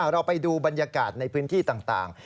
เราไปดูบรรยากาศในพื้นที่ต่าง